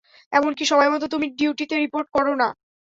এমনকি সময়মতো তুমি ডিউটিতে রিপোর্টও করো না।